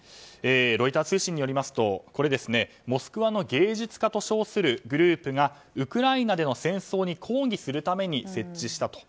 ロイター通信によりますとモスクワの芸術家と称するグループがウクライナでの戦争に抗議するために設置したと。